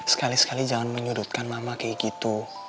sekali sekali jangan menyudutkan mama kayak gitu